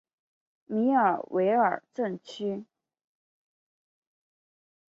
米尔维尔镇区。